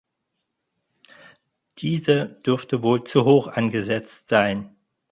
Diese dürfte wohl zu hoch angesetzt sein.